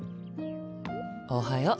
おはよう。